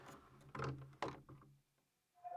现在住在横滨市。